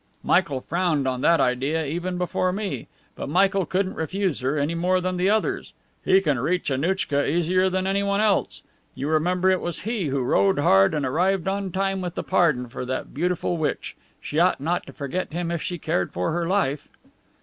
Michael frowned on that idea, even before me. But Michael couldn't refuse her, any more than the others. He can reach Annouchka easier than anyone else. You remember it was he who rode hard and arrived in time with the pardon for that beautiful witch; she ought not to forget him if she cared for her life."